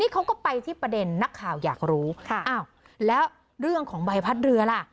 เขาก็ไปที่ประเด็นนักข่าวอยากรู้อ้าวแล้วเรื่องของใบพัดเรือล่ะ